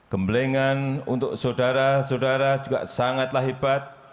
gembelengan untuk saudara saudara juga sangatlah hebat